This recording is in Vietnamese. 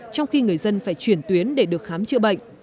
trong khi người dân phải chuyển tuyến để được khám chữa bệnh